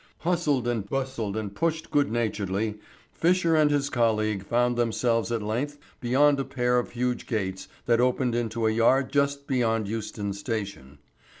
Hustled and bustled and pushed good naturedly, Fisher and his colleague found themselves at length beyond a pair of huge gates that opened into a yard just beyond Euston Station.